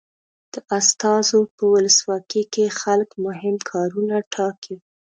د استازو په ولسواکي کې خلک مهم کارونه ټاکي.